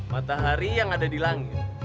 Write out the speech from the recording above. matahari yang ada di langit